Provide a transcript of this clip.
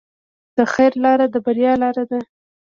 د خیر لاره د بریا لاره ده.